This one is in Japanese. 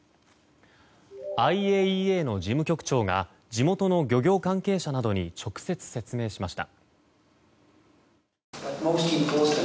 ＩＡＥＡの事務局長が地元の漁業関係者などに直接、説明しました。